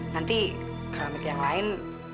nanti keramik yang lain